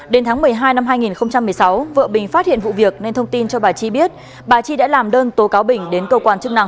đến tháng một mươi hai năm hai nghìn một mươi sáu vợ bình phát hiện vụ việc nên thông tin cho bà chi biết bà chi đã làm đơn tố cáo bình đến cơ quan chức năng